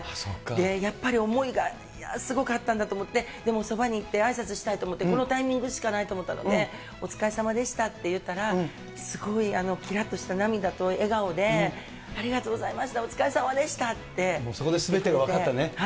やっぱり思いがすごかったんだと思って、でもそばに行って、あいさつしたいと思って、このタイミングしかないと思ったので、お疲れさまでしたって言ったら、すごいきらっとした涙と笑顔で、ありがとうございました、そこですべてが分かったね。